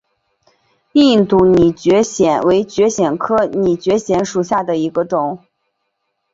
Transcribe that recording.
印度拟蕨藓为蕨藓科拟蕨藓属下的一个种。